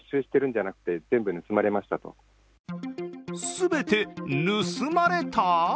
全て盗まれた？